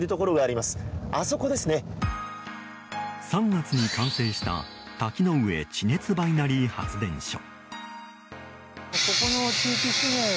３月に完成した滝ノ上地熱バイナリー発電所。